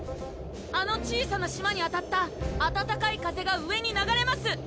あの小さな島に当たったあたたかい風が上に流れます